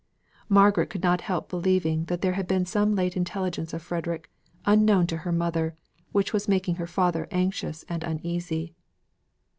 Margaret could not help believing that there had been some late intelligence of Frederick, unknown to her mother, which was making her father anxious and uneasy.